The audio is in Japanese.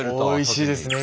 おいしいです。